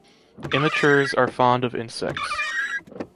Immatures are fond of insects.